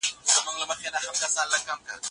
د ټولنې جوړښت باید په دقیق ډول وپېژندل سي.